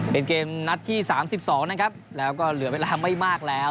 เป็นเกมนัดที่๓๒นะครับแล้วก็เหลือเวลาไม่มากแล้ว